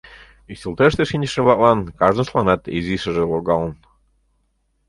Ӱстелтӧрыштӧ шинчыше-влаклан кажныштланат изишыже логалын.